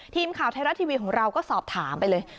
ทีมข่าวไทยรัฐทีวีของเราก็สอบถามไปเลย